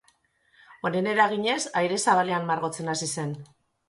Honen eraginez, aire zabalean margotzen hasi zen.